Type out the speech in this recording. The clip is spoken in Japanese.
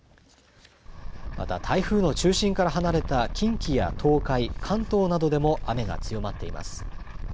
また台風の中心から離れた近畿や東海、関東などでも雨が強まっています。